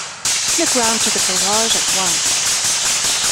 Nip round to the garage at once.